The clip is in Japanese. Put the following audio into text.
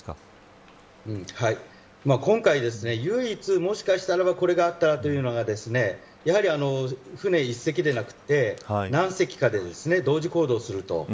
今回唯一、もしかしたらこれがあったら、というのがやはり船１隻だけでなく何隻かで同時行動すると。